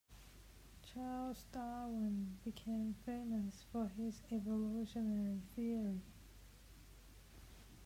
Charles Darwin became famous for his evolutionary theory.